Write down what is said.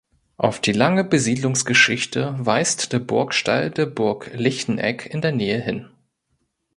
Auf die lange Besiedlungsgeschichte weist der Burgstall der Burg Lichtenegg in der Nähe hin.